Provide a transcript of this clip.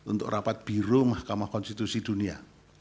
untuk rapat biru mahkamah konstitusi dunia